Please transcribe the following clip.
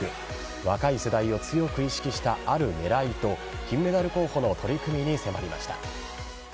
若い世代を強く意識したある狙いと金メダル候補の取り組みに迫りました。